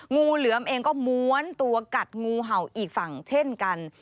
งูเหลือมเองก็ม้วนตัวกัดงูเห่าอีกฝั่งเช่นกัน